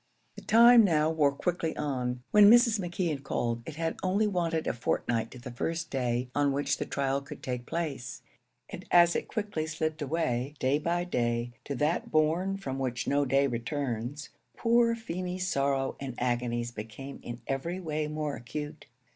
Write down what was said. The time now wore quickly on. When Mrs. McKeon called it had only wanted a fortnight to the first day on which the trial could take place; and as it quickly slipped away, day by day, to that bourn from which no day returns, poor Feemy's sorrow and agonies became in every way more acute.